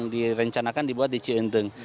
direncanakan dibuat di cienteng